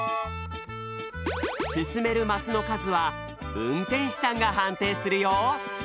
すすめるマスのかずはうんてんしさんがはんていするよ